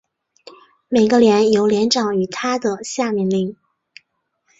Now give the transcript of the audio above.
每个连由连长与他的下命令。